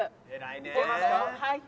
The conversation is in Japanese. はい。